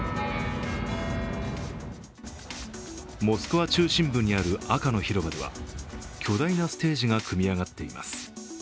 モスクワ中心部にある赤の広場では巨大なステージが組み上がっています。